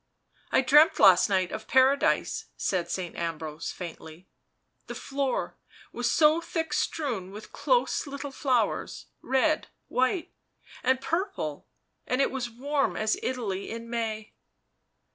" I dreamt last night of Paradise," said Saint Am brose faintly, " the floor was so thick strewn with close little flowers, red, white, and purple ... and it was warm as Italy in May.